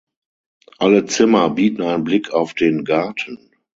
Alle Zimmer bieten einen Blick auf den Garten.